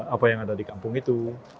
apa yang ada di kampung itu